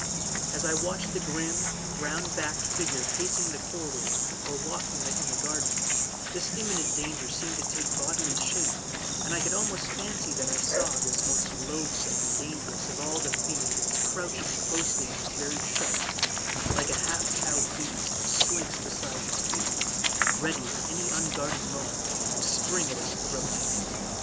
As I watched the grim, round backed figure pacing the corridor or walking in the garden, this imminent danger seemed to take bodily shape, and I could almost fancy that I saw this most loathsome and dangerous of all the fiends crouching closely in his very shadow, like a half cowed beast which slinks beside its keeper, ready at any unguarded moment to spring at his throat.